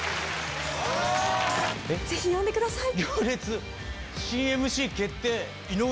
ぜひ読んでください。